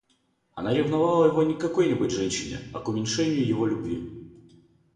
Она ревновала его не к какой-нибудь женщине, а к уменьшению его любви.